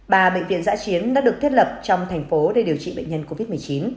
ba bệnh viện giã chiến đã được thiết lập trong thành phố để điều trị bệnh nhân covid một mươi chín